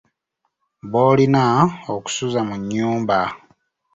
B’olina okusuza mu nnyumba.